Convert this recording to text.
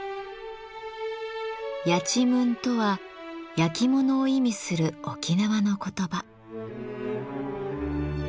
「やちむん」とは「やきもの」を意味する沖縄の言葉。